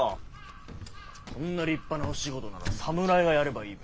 そんな立派なお仕事なら侍がやればいいべ。